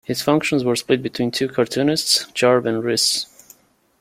His functions were split between two cartoonists, Charb and Riss.